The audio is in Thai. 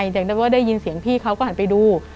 จากนั้นว่าได้ยินเสียงพี่เขาก็หันไปดู